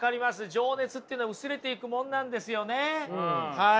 情熱っていうのは薄れていくもんなんですよねはい。